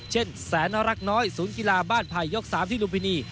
แสนรักน้อยศูนย์กีฬาบ้านไผ่ยก๓ที่ลุมพินี